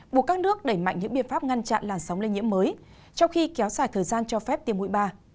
buộc các nước đẩy mạnh những biện pháp ngăn chặn làn sóng lây nhiễm mới trong khi kéo dài thời gian cho phép tiêm mũi ba